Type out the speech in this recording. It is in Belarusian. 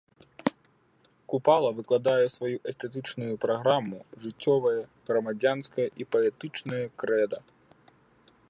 Купала выкладае сваю эстэтычную праграму, жыццёвае, грамадзянскае і паэтычнае крэда.